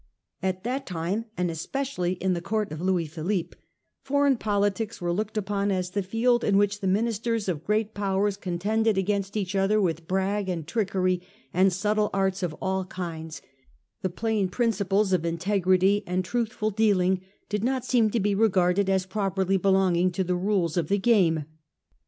At that time, and especially in the court of Louis Philippe, foreign politics were looked upon as the field in which the ministers of great Powers con tended against each other with brag and trickery and subtle arts of all kinds ; the plain principles of integrity and truthful dealing did not seem to be regarded as properly belonging to the rules of the game.